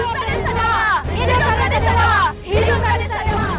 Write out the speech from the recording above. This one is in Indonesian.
hidup pradensa dewa hidup pradensa dewa